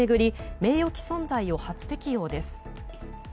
名誉毀損罪を初適用です。